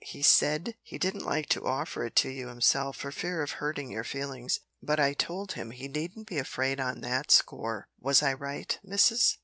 "He said he didn't like to offer it to you himself for fear of hurting your feelings, but I told him he needn't be afraid on that score! Was I right, Missis?